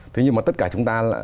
thế nhưng mà tất cả chúng ta